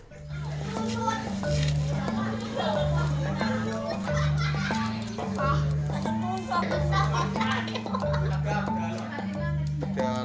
semoga besar semoga besar